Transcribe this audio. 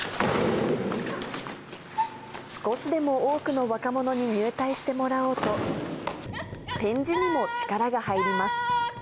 少しでも多くの若者に入隊してもらおうと、展示にも力が入ります。